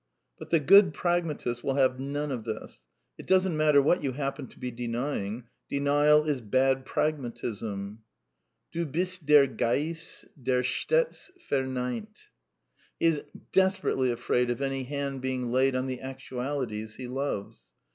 But the good pragmatist will have none of this. It doesn't matter what you happen to be denying, denial is bad PragmatisnL " Du bist der Geist der stets vemeint.'* He is desperately afraid of any hand being laid on the actualities he loves.